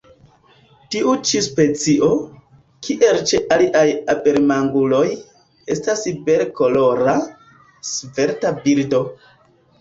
Tiu ĉi specio, kiel ĉe aliaj abelmanĝuloj, estas bele kolora, svelta birdo.